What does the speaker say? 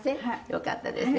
よかったですね。